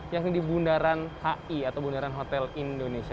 yakni di bundaran hi atau bundaran hotel indonesia